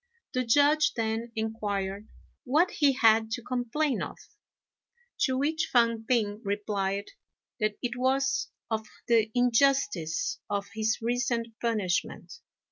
The Judge then inquired what he had to complain of; to which Fang p'ing replied that it was of the injustice of his recent punishment.